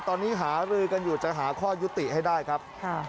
ตอนนี้หารือกันอยู่จะหาข้อยุติให้ได้ครับ